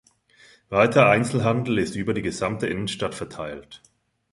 Weiterer Einzelhandel ist über die gesamte Innenstadt verteilt.